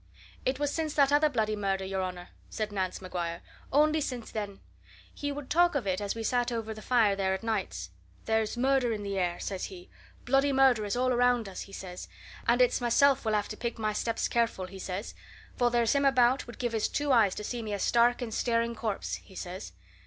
"It was since that other bloody murder, your honour," said Nance Maguire. "Only since then. He would talk of it as we sat over the fire there at nights. 'There's murder in the air,' says he. 'Bloody murder is all around us!' he says. 'And it's myself will have to pick my steps careful,' he says, 'for there's him about would give his two eyes to see me a stark and staring corpse,' he says.